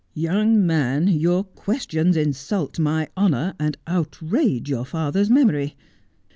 ' Young man, your questions insult my honour, and outrage your father's memory.